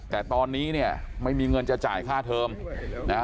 แต่ตอนนี้เนี่ยไม่มีเงินจะจ่ายค่าเทอมนะฮะ